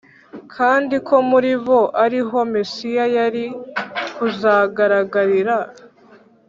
kandi ko muri bo ari ho Mesiya yari kuzagaragarira.